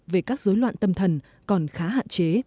về các dối loạn tâm thần còn khá hạn chế